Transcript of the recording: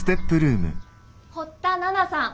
堀田奈々さん